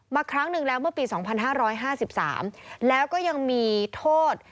ครั้งหนึ่งแล้วเมื่อปี๒๕๕๓แล้วก็ยังมีโทษ